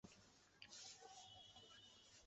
এখানে ফলটি হইল কারণ, নূতন কর্মটি হইল কার্য।